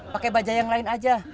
pakai baja yang lain aja